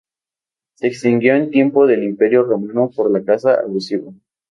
Se extinguió en tiempos del Imperio Romano por la caza abusiva.